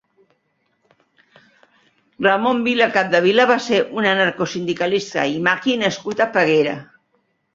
Ramon Vila Capdevila va ser un anarcosindicalista i maqui nascut a Peguera.